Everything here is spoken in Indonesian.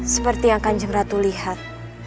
seperti yang kanjeng ratu lihat